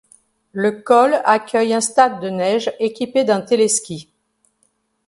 Le col accueille un stade de neige équipé d'un téléski.